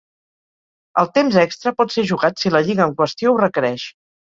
El temps extra pot ser jugat si la lliga en qüestió ho requereix.